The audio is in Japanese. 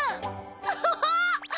アハハ！